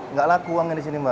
nggak lah uangnya disini mbak